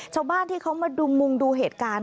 ชาวบ้านที่เขามาดูมุงดูเหตุการณ์